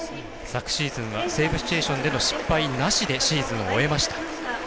昨シーズンはセーブシチュエーションの失敗なしでシーズンを終えました。